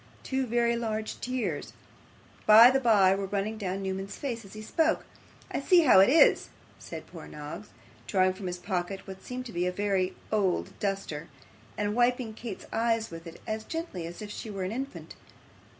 Two very large tears, by the bye, were running down Newman's face as he spoke. 'I see how it is,' said poor Noggs, drawing from his pocket what seemed to be a very old duster, and wiping Kate's eyes with it, as gently as if she were an infant.